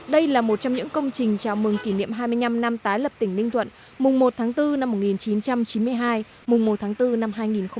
đây là một trong những công trình chào mừng kỷ niệm hai mươi năm năm tái lập tỉnh ninh thuận mùng một tháng bốn năm một nghìn chín trăm chín mươi hai mùng một tháng bốn năm hai nghìn hai mươi